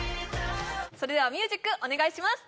それではミュージックお願いします